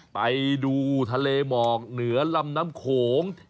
ไปดูทะเลหมอกเหนือลำน้ำโขง